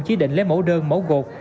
chí định lấy mẫu đơn mẫu gột